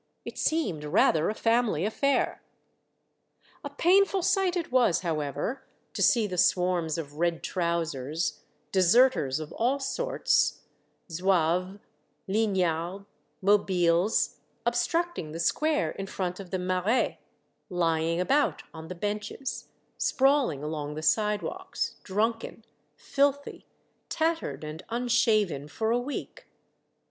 It seemed rather a family affair. A painful sight it was, however, to see the swarms of red trousers, deserters of all sorts — Zouaves, lignards^ mobiles — obstructing the square in front of the mairiey lying about on the benches, sprawling along the sidewalks, drunken, filthy, tattered, and unshaven for a week.